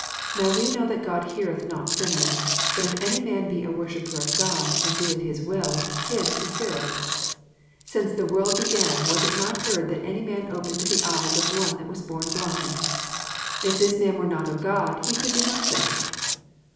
31 Now we know that God heareth not sinners; but if any man be a wor shipper of God, and doeth his will, him be heareth. 32 Since the world began was it not heard that any man opened the eyes of one that was born blind. 33 If this man were not of God, he ooald do nothing.